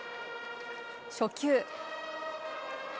初球。